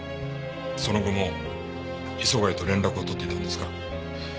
その後も磯貝と連絡を取っていたんですか？